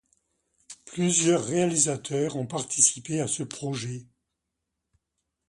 Plusieurs réalisateurs ont participé à ce projet.